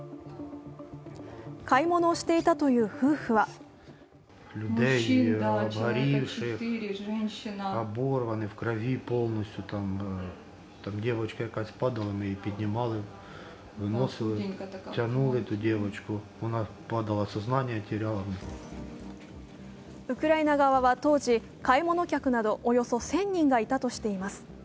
買い物をしていたという夫婦はウクライナ側は当時買い物客などおよそ１０００人がいたとしています。